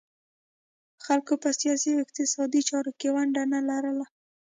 خلکو په سیاسي او اقتصادي چارو کې ونډه نه لرله